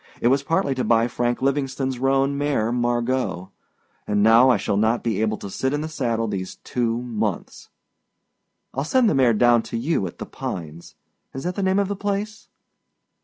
It was partly to buy Frank Livingstoneâs roan mare Margot. And now I shall not be able to sit in the saddle these two months. Iâll send the mare down to you at The Pines is that the name of the place?